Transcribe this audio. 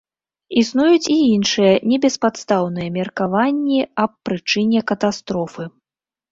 Існуюць і іншыя небеспадстаўныя меркаванні аб прычыне катастрофы.